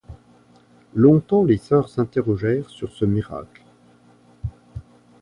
Longtemps les sœurs s'interrogèrent sur ce miracle.